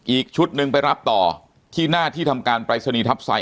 อีกชุดหนึ่งไปรับต่อที่หน้าที่ทำการปรายศนีย์ทัพไซ